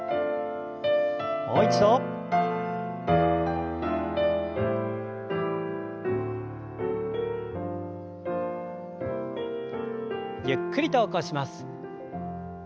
もう一度。ゆっくりと起こします。